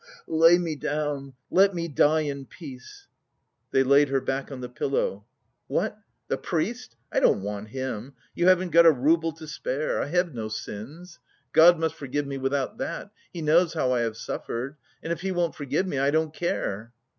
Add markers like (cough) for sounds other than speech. (coughs) "Lay me down, let me die in peace." They laid her back on the pillow. "What, the priest? I don't want him. You haven't got a rouble to spare. I have no sins. God must forgive me without that. He knows how I have suffered.... And if He won't forgive me, I don't care!"